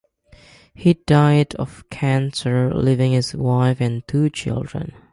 He died of cancer leaving his wife and two children.